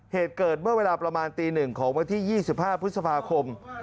เหตุเกิดเมื่อเวลาประมาณตี๑ของวันที่๒๕พฤษภาคม